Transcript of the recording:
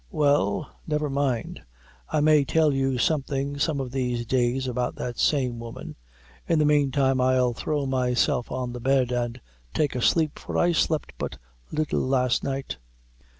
"Well, never mind I may tell you something some o' these days about that same woman. In the meantime, I'll throw myself on the bed, an' take a sleep, for I slept but little last night."